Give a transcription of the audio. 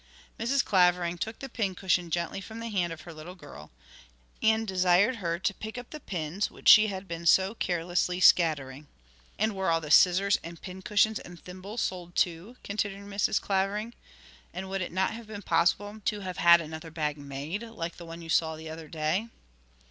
Mrs. Clavering took the pincushion gently from the hand of her little girl, and desired her to pick up the pins which she had been so carelessly scattering. 'And were all the scissors and pincushions and thimbles sold, too?' continued Mrs. Clavering. 'And would it not have been possible to have had another bag made, like the one you saw the other day?'